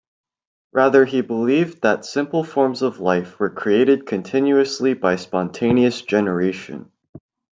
Rather he believed that simple forms of life were created continuously by spontaneous generation.